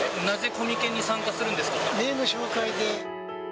なぜコミケに参加するんですめいの紹介で。